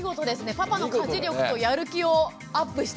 パパの家事力とやる気をアップした。